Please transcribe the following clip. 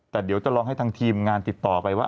แต่เดี๋ยวจะลองให้ทางทีมงานติดต่อไปว่า